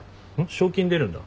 賞金出るんだ。